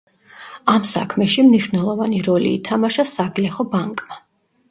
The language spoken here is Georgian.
ამ საქმეში მნიშვნელოვანი როლი ითამაშა საგლეხო ბანკმა.